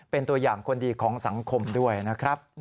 เป็นตัวอย่างคนดีของสังคมด้วยนะครับ